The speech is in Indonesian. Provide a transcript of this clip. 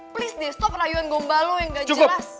please deh stok rayuan gombalo yang gak jelas